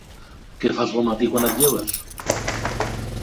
Què fas al matí quan et lleves?